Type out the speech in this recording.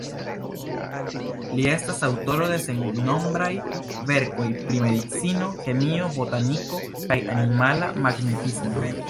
Li estas aŭtoro de sennombraj verkoj pri Medicino, Kemio, Botaniko kaj Animala Magnetismo.